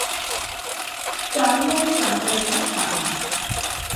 Terminal প্রান্তরেখা সাদা।